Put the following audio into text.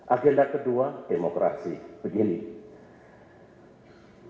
agenda kedua ekonomi dan kesejahteraan